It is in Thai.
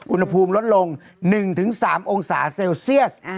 อุณหภูมิลดลง๑๓องศาเซลเซียส